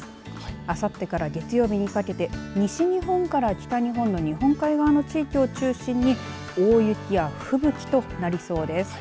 あさってから月曜日にかけて西日本から北日本の日本海側の地域を中心に大雪や吹雪となりそうです。